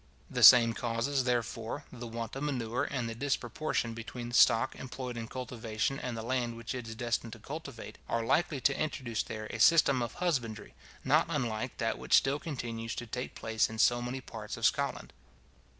The same causes, therefore, the want of manure, and the disproportion between the stock employed in cultivation and the land which it is destined to cultivate, are likely to introduce there a system of husbandry, not unlike that which still continues to take place in so many parts of Scotland.